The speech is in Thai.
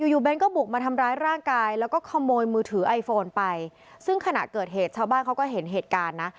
อยู่เน้นก็บุกมาทำร้ายร่างกายแล้วก็ขโมยมือถือไอโฟนไปซึ่งขณะเกิดเหตุชาวบ้านเขาก็เห็นเหตุการณ์นะ